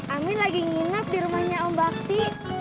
amin lagi nginap di rumahnya om bakti